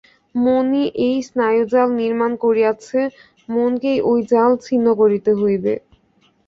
মনই এই স্নায়ুজাল নির্মাণ করিয়াছে, মনকেই ঐ জাল ছিন্ন করিতে হইবে।